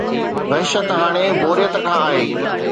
وحشت هاڻي بوريت کان آهي.